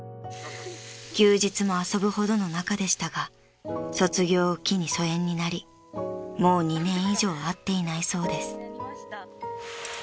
［休日も遊ぶほどの仲でしたが卒業を機に疎遠になりもう２年以上会っていないそうです］